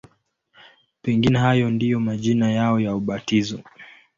Pengine hayo ndiyo majina yao ya ubatizo.